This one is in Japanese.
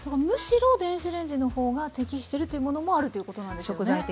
むしろ電子レンジの方が適してるというものもあるということなんですよね。